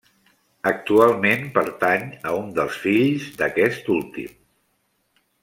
Actualment pertany a un dels fills d'aquest últim.